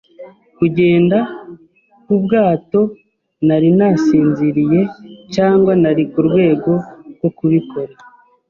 kugenda kwubwato, nari nasinziriye cyangwa nari kurwego rwo kubikora